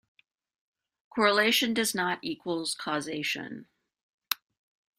Correlation does not equals causation.